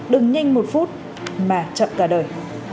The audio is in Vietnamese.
đừng nhanh một phút mà chậm cả đời